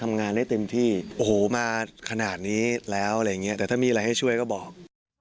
มีอะไรให้ช่วยก็บอก